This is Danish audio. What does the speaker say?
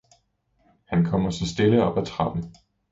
han kommer så stille op ad trappen.